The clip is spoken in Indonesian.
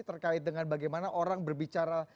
terkait dengan bagaimana orang berbicara